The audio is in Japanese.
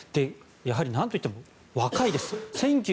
やはりなんといっても若いです。